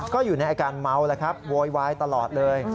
ก็อยู่ในอาการเมาแล้วครับโวยวายตลอดเลย